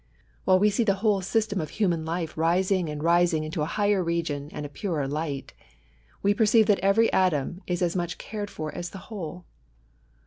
While we see the whole system of human life rising and rising into a higher region and a purer light, we perceive that every atom is as much cared for as the whole.